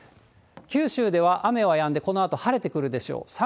九州では雨はやんで、このあと晴れてくるでしょう。